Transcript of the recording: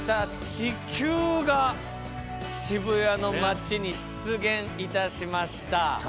地球が渋谷の街に出現いたしました。